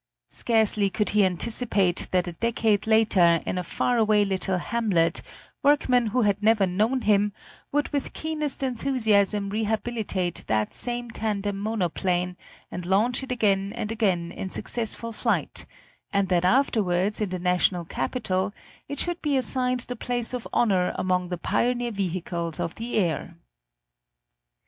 Scarcely could he anticipate that a decade later, in a far away little hamlet, workmen who had never known him would with keenest enthusiasm rehabilitate that same tandem monoplane, and launch it again and again in successful flight, and that afterwards in the National Capital it should be assigned the place of honor among the pioneer vehicles of the air.